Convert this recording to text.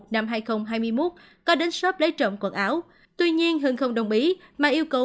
năm hai nghìn hai mươi một có đến shop lấy trộm quần áo tuy nhiên hưng không đồng ý mà yêu cầu